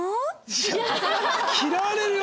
嫌われるよ？